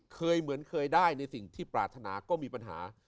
เหมือนเคยได้ในสิ่งที่ปรารถนาก็มีปัญหา